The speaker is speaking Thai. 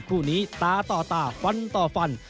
คู่นี้ตาต่อตาฟันต่อฟัน